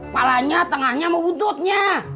palanya tengahnya maupun tutnya